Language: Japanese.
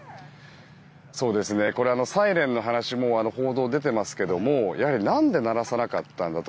これは、サイレンの話も報道で出ていますがやはり何で鳴らさなかったんだと。